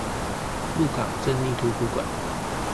鹿港鎮立圖書館